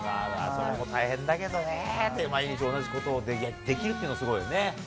それも大変だけどね、毎日同じことをできるっていうのはすごいよね。